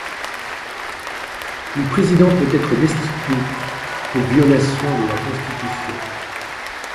Le président peut être destitué pour violation de la Constitution.